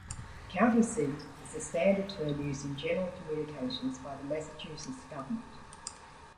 "County seat" is the standard term used in general communications by the Massachusetts government.